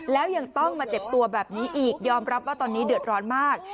แล้วยังต้องมาเจ็บตัวแบบนี้อีกยอมรับว่าตอนนี้เดือดร้อนมาก